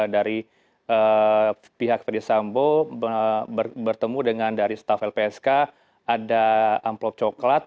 dari pihak ferdisambo bertemu dengan dari staf lpsk ada amplop coklat